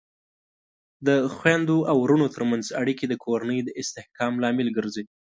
د خویندو او ورونو ترمنځ اړیکې د کورنۍ د استحکام لامل ګرځي.